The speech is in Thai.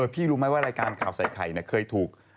พี่รู้ไหมว่ารายการข่าวใส่ไข่เคยถูก